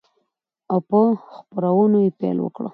او په خپرونو يې پيل وكړ،